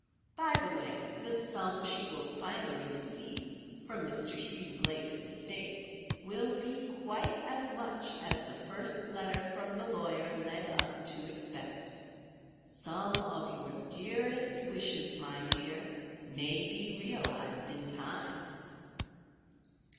By the way, the sum she will finally receive from Mr. Hugh Blake's estate will be quite as much as the first letter from the lawyer led us to expect. Some of your dearest wishes, my dear, may be realized in time."